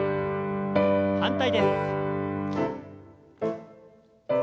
反対です。